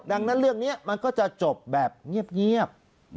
ดังนั้นเรื่องนี้มันก็จะจบแบบเงียบ